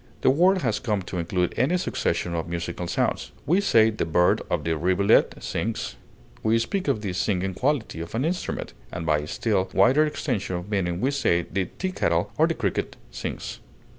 The word has come to include any succession of musical sounds; we say the bird or the rivulet sings; we speak of "the singing quality" of an instrument, and by still wider extension of meaning we say the teakettle or the cricket sings.